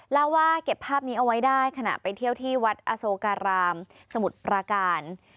เล่าว่าเก็บภาพนี้เอาไว้ได้ขณะไปเที่ยวที่วัดอโสการามสมุทรปราการ